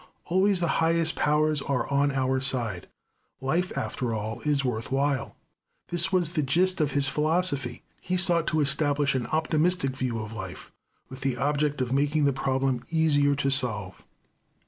Always the highest powers are on our side. Life, after all, is worth while. This was the gist of his philosophy. He sought to establish an optimistic view of life, with the object of making the problem easier to solve.